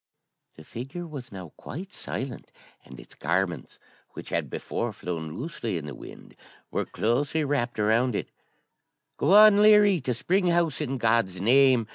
The figure was now quite silent, and its garments, which had before flown loosely in the wind, were closely wrapped around it 'Go on, Leary, to Spring House, in God's name!'